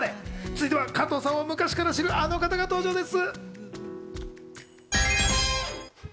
続いては、加藤さんを昔から知る、あの方が登場です。